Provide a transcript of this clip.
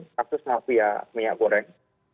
kasus mafia minyak goreng